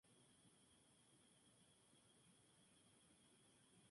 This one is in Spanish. Se alimentan preferentemente de larvas de insectos y otros vertebrados, algas y detritos.